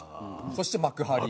そして『幕張』。